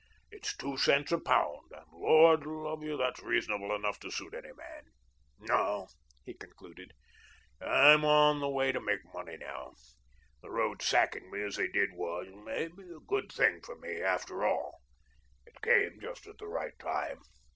It's two cents a pound, and Lord love you, that's reasonable enough to suit any man. No," he concluded, "I'm on the way to make money now. The road sacking me as they did was, maybe, a good thing for me, after all. It came just at the right time.